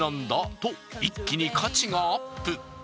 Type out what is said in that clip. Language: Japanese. と一気に価値がアップ。